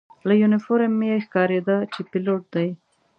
له یونیفورم یې ښکارېده چې پیلوټ دی.